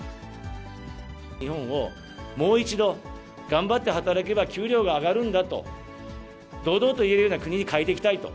日本をもう一度、頑張って働けば給料が上がるんだと、堂々と言えるような国に変えていきたいと。